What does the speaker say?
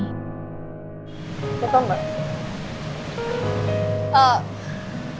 kau tau gak